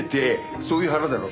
そういう腹だろ。